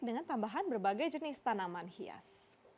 dengan tambahan berbagai jenis tanaman hias